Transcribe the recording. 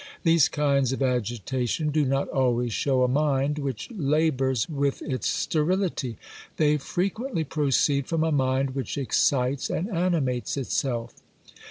These kinds of agitation do not always show a mind which labours with its sterility; they frequently proceed from a mind which excites and animates itself.